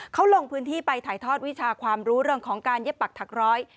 เขาลงพื้นที่ไปถ่ายทอดวิชาความรู้เรื่องของการเย็บปักถักร้อย